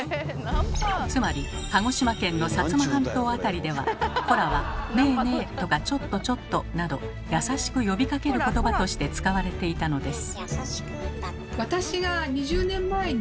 つまり鹿児島県の薩摩半島辺りでは「コラ」は「ねえねえ」とか「ちょっとちょっと」など優しく呼びかける言葉として使われていたのです。